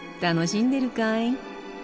楽しんでるかい？